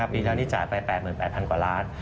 ปีที่แล้วนี่จ่ายไป๘๘๐๐๐กว่าล้าน